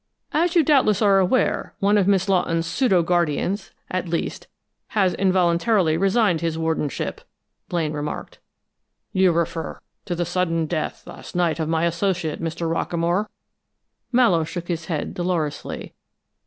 "As you doubtless are aware, one of Miss Lawton's pseudo guardians, at least, has involuntarily resigned his wardenship," Blaine remarked. "You refer to the sudden death last night of my associate, Mr. Rockamore?" Mallowe shook his head dolorously.